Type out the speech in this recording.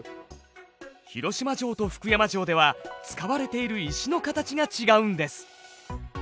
広島城と福山城では使われている石の形が違うんです。